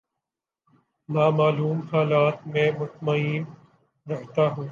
نا معلوم حالات میں مطمئن رہتا ہوں